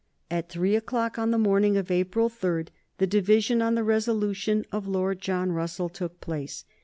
At three o'clock on the morning of April 3 the division on the resolution of Lord John Russell took place.